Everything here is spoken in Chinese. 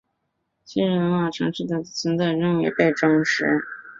昔日罗马城市的存在仍未被证实。